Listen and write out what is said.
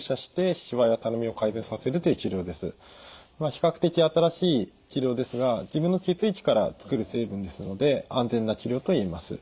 比較的新しい治療ですが自分の血液から作る成分ですので安全な治療と言えます。